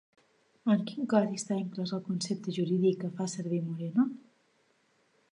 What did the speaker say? En quin codi està inclòs el concepte jurídic que fa servir Moreno?